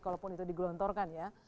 kalaupun itu di gelontorkan